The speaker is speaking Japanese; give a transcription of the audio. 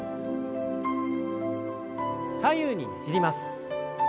左右にねじります。